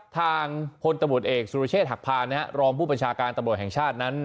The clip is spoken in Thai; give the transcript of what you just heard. ทางพลตะบนเอกสุรเชษฐรัฐภานนะฮะรองผู้ปัญชาการตะบนแห่งชาตินั้น